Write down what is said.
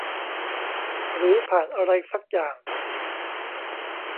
หรือผ่านอะไรซักอย่าง